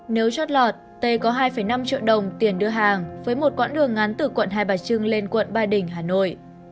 nếu chót lọt t có hai năm triệu đồng tiền đưa hàng với một quãng đường ngắn từ quận hai bà trưng lên quận ba đình hà nội